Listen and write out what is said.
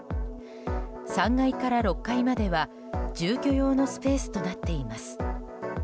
３階から６階までは住居用のスペースとなっています。